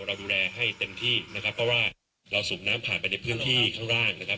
เราดูแลให้เต็มที่เพราะว่าเราสูบน้ำผ่านไปในพื้นที่ข้างล่าง